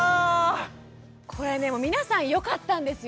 これでも皆さんよかったんですよ。